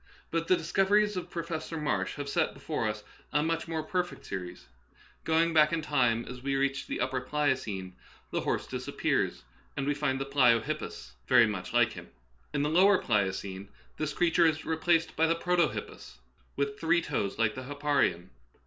But the discoveries of Professor Marsh have set before us a much more perfect series. Going Darwinism Verified. 31 back in time, as we reach the upper Pliocene, the horse disappears, and we find the pliohippus, very much like him. In the lower Pliocene this creature is replaced by the protohippus, with three toes like the hipparion.